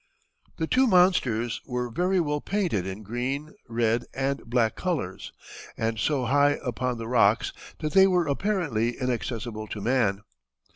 The two monsters were very well painted in green, red, and black colors, and so high upon the rocks that they were apparently inaccessible to man."